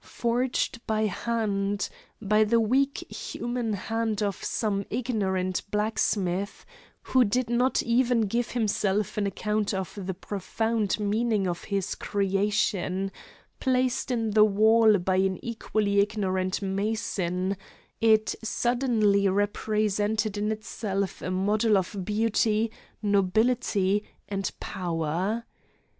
Forged by hand, by the weak human hand of some ignorant blacksmith, who did not even give himself an account of the profound meaning of his creation; placed in the wall by an equally ignorant mason, it suddenly represented in itself a model of beauty, nobility and power.